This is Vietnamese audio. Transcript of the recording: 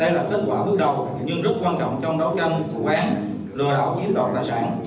đây là kết quả bước đầu nhưng rất quan trọng trong đấu tranh vụ án lừa đảo chiếm đoạt tài sản